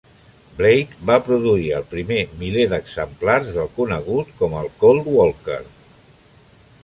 Blake va produir el primer miler d'exemplars del conegut com el Colt Walker.